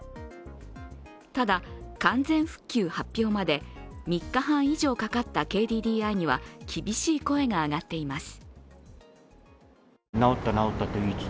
ただ、完全復旧発表まで３日半以上かかったＫＤＤＩには厳しい声が上がっています。